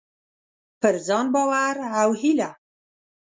پر ځان باور او هيله: